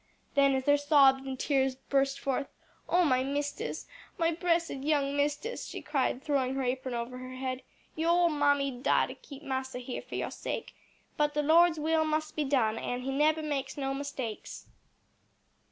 Then as their sobs and tears burst forth, "Oh my mistis, my bressed young mistis," she cried, throwing her apron over her head, "yo' ole mammy'd die to keep massa here for yo' sake. But de Lord's will mus' be done, an' He neber makes no mistakes."